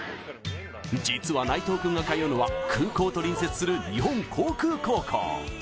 実は内藤君が通うのは、空港と隣接する日本航空高校。